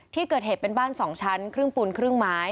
ที่เกิดเหตุเป็นบ้าน๒ชั้นครึ่งปูนครึ่งไม้